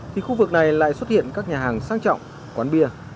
thì khu vực này lại xuất hiện các nhà hàng sang trọng quán bia